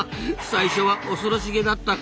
最初は恐ろしげだった